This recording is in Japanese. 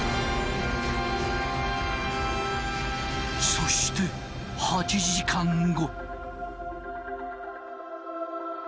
そして８時間後。